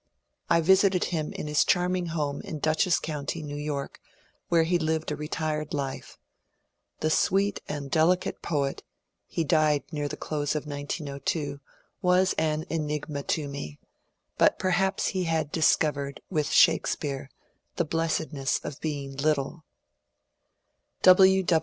I visited him in his charm ing home in Dutchess County, New York, where he lived a retired life. The sweet and delicate poet (he died near the close of 1902) was an enigma to me ; but perhaps he had dis covered, with Shakespeare, *^ the blessedness of being little."